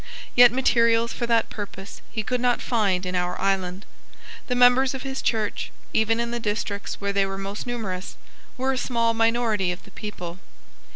Yet materials for that purpose he could not find in our island. The members of his Church, even in the districts where they were most numerous, were a small minority of the people.